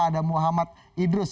ada muhammad idrus